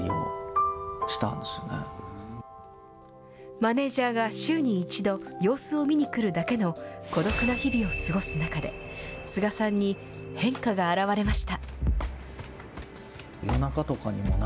マネージャーが週に１度、様子を見に来るだけの孤独な日々を過ごす中で、スガさんに変化が表れました。